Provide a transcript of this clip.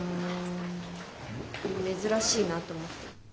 珍しいなと思って。